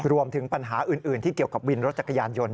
รวมถึงปัญหาอื่นที่เกี่ยวกับวินรถจักรยานยนต์